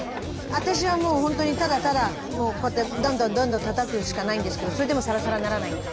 私はもうほんとにただただこうやってドンドンドンドンたたくしかないんですけどそれでもサラサラにならないんです。